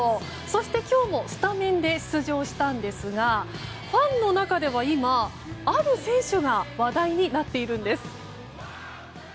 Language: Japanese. そして今日もスタメンで出場したんですがファンの中では今ある選手が話題になっているんです。